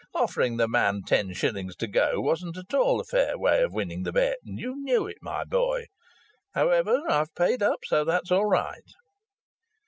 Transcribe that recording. Offering the man ten shillings to go wasn't at all a fair way of winning the bet, and you knew it, my boy. However, I've paid up; so that's all right."